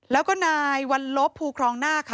แล้วก็นายวัลลบภูครองนาคค่ะ